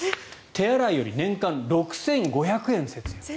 手洗いより年間６５００円節約。